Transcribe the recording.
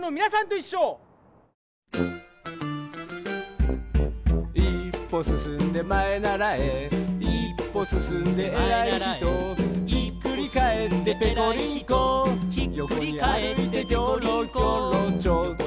「いっぽすすんでまえならえ」「いっぽすすんでえらいひと」「ひっくりかえってぺこりんこ」「よこにあるいてきょろきょろ」